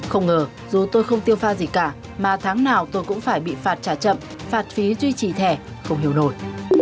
không ngờ dù tôi không tiêu pha gì cả mà tháng nào tôi cũng phải bị phạt trả chậm phạt phí duy trì thẻ không hiểu nổi